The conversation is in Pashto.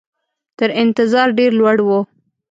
تر انتظار ډېر لوړ وو.